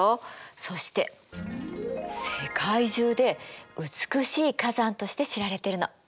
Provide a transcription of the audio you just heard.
そして世界中で美しい火山として知られてるの。